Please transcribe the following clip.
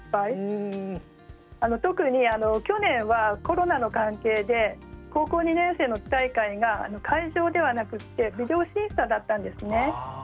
特に去年はコロナの関係で高校２年生の大会が会場ではなくってビデオ審査だったんですね。